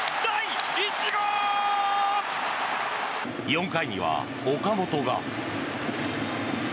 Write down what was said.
４回には岡本が。